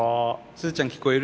スズちゃん聞こえる？